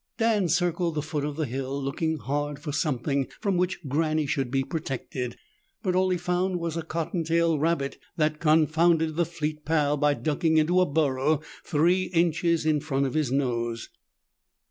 Dan circled the foot of the hill, looking hard for something from which Granny should be protected. But all he found was a cottontail rabbit that confounded the fleet Pal by ducking into a burrow three inches in front of his nose.